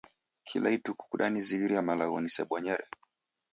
Kila ituku kudanizighiria malagho nisebonyere